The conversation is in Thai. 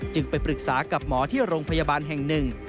ไปปรึกษากับหมอที่โรงพยาบาลแห่งหนึ่ง